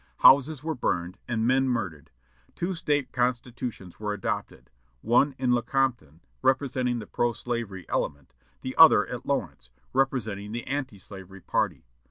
Houses were burned, and men murdered. Two State constitutions were adopted: one at Lecompton, representing the pro slavery element; the other at Lawrence, representing the anti slavery party.